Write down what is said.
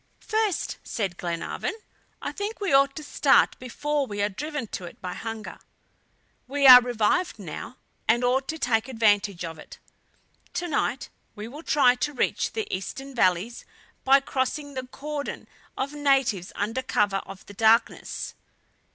"First," said Glenarvan, "I think we ought to start before we are driven to it by hunger. We are revived now, and ought to take advantage of it. To night we will try to reach the eastern valleys by crossing the cordon of natives under cover of the darkness."